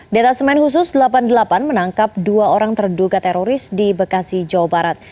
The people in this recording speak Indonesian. detasemen khusus delapan puluh delapan menangkap dua orang terduga teroris di bekasi jawa barat